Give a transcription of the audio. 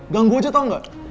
ganggu aja tau gak